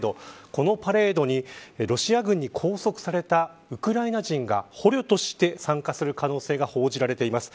このパレードにロシア軍に拘束されたウクライナ人が捕虜として参加する可能性が報じられています。